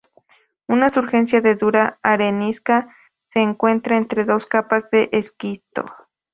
Una surgencia de dura arenisca se encuentra entre dos capas de esquisto.